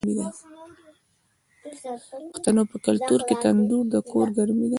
د پښتنو په کلتور کې تندور د کور ګرمي ده.